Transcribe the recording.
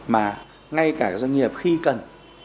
mà ngay cả các doanh nghiệp khi cần